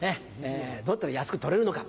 どうやったら安く撮れるのか。